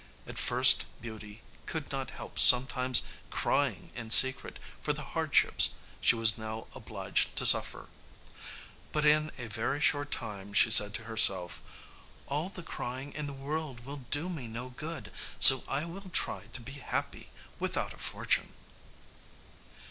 At first Beauty could not help sometimes crying in secret for the hardships she was now obliged to suffer; but in a very short time she said to herself, "All the crying in the world will do me no good, so I will try to be happy without a fortune."